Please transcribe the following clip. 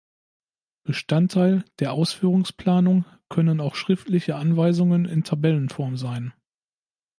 Bestandteil der Ausführungsplanung können auch schriftliche Anweisungen in Tabellenform sein.